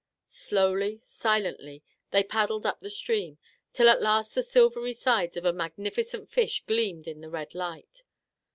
Slowly, silently, they paddled up the stream, till at last the silvery sides of a mag nificent fish gleamed in the red light.